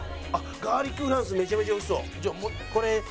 ガーリックフランスめちゃめちゃ美味しそう。